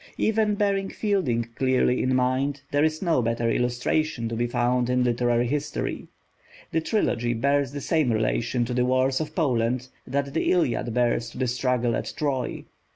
Even bearing Fielding clearly in mind, there is no better illustration to be found in literary history. The Trilogy bears the same relation to the wars of Poland that the Iliad bears to the struggle at Troy.